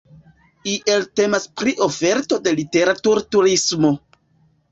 Iel temas pri oferto de literaturturismo.